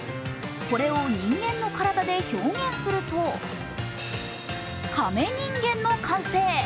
これを人間の体で表現するとカメ人間の完成。